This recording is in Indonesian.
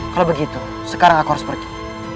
kalau begitu sekarang aku harus pergi